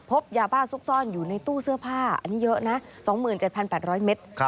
พบยาบ้าซุกซ่อนอยู่ในตู้เสื้อผ้าอันนี้เยอะนะ๒๗๘๐๐เมตร